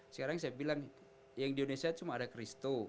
sekarang saya bilang yang di indonesia cuma ada christo